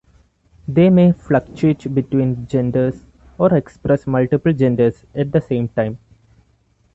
They may fluctuate between genders or express multiple genders at the same time.